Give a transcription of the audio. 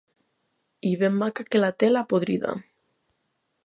I ben maca que la té, la podrida.